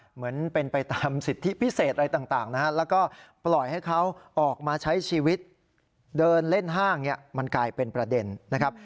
เหมือนเป็นไปตามสิทธิพิเศษอะไรต่างนะฮะแล้วก็ปล่อยให้เขาออกมาใช้ชีวิตเดินเล่นห้างเนี่ยมันกลายเป็นประเด็นนะครับ